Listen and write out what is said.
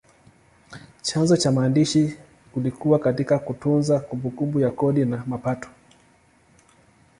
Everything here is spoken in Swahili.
Chanzo cha maandishi kilikuwa katika kutunza kumbukumbu ya kodi na mapato.